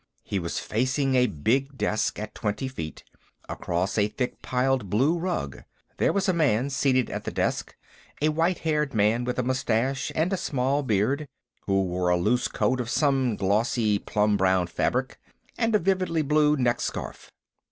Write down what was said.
He was facing a big desk at twenty feet, across a thick piled blue rug. There was a man seated at the desk, a white haired man with a mustache and a small beard, who wore a loose coat of some glossy plum brown fabric, and a vividly blue neck scarf.